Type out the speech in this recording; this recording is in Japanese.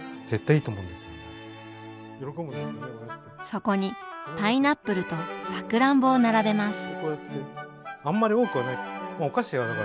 そこにパイナップルとさくらんぼを並べます。